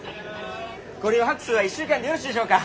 ご利用泊数は１週間でよろしいでしょうか？